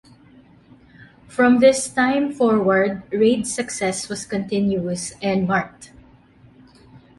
From this time forward Reid's success was continuous and marked.